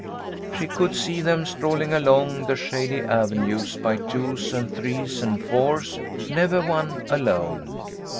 She could see them strolling along the shady ave nues by twos and threes and fours, never one alone.